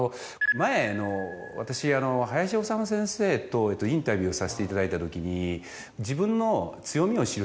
前あの私林修先生とインタビューさせていただいたときに。